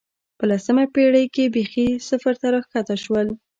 په لسمه پېړۍ کې بېخي صفر ته راښکته شول